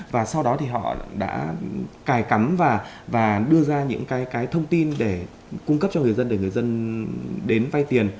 và sau đó thì họ đã cài cắm và đưa ra những cái thông tin để cung cấp cho người dân để người dân đến vay tiền